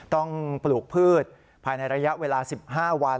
ปลูกพืชภายในระยะเวลา๑๕วัน